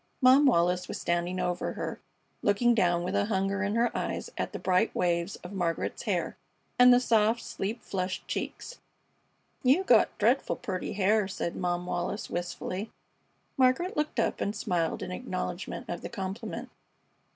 Mom Wallis was standing over her, looking down with a hunger in her eyes at the bright waves of Margaret's hair and the soft, sleep flushed cheeks. "You got dretful purty hair," said Mom Wallis, wistfully. Margaret looked up and smiled in acknowledgment of the compliment.